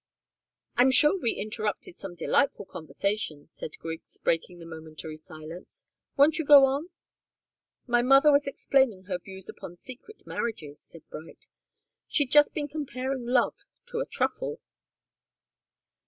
"I'm sure we interrupted some delightful conversation," said Griggs, breaking the momentary silence. "Won't you go on?" "My mother was explaining her views upon secret marriages," said Bright. "She'd just been comparing love to a truffle."